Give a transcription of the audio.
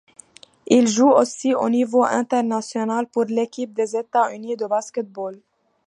Il joue aussi au niveau international pour l'équipe des États-Unis de basket-ball.